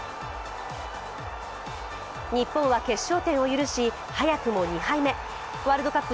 日本は決勝点を許し、早くも２敗目ワールドカップ